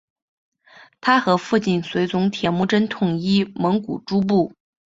他和父亲随从铁木真统一蒙古诸部。